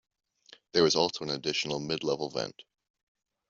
There was also an additional mid-level vent.